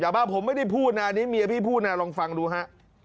มาผมไม่ได้พูดนะอันนี้เมียพี่พูดนะลองฟังดูฮะ